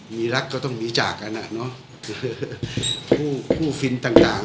มีรักก็ต้องมีจากกันนะคู่ฟินต่าง